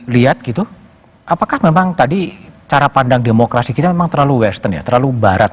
lihat gitu apakah memang tadi cara pandang demokrasi kita memang terlalu western ya terlalu barat